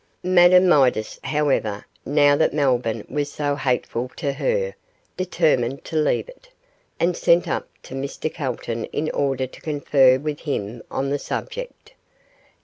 Madame Midas, however, now that Melbourne was so hateful to her, determined to leave it, and sent up to Mr Calton in order to confer with him on the subject.